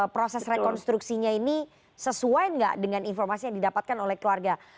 proses rekonstruksinya ini sesuai nggak dengan informasi yang didapatkan oleh keluarga